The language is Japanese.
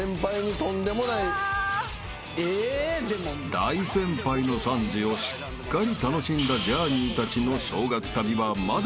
［大先輩の惨事をしっかり楽しんだジャーニーたちの］